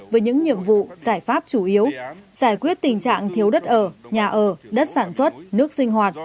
với những nhiệm vụ giải pháp chủ yếu giải quyết tình trạng thiếu đất ở nhà ở đất sản xuất nước sinh hoạt